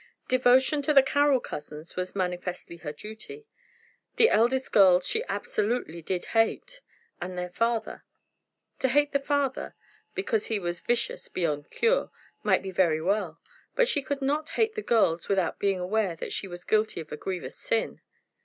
Devotion to the Carroll cousins was manifestly her duty. The two eldest girls she absolutely did hate, and their father. To hate the father, because he was vicious beyond cure, might be very well; but she could not hate the girls without being aware that she was guilty of a grievous sin.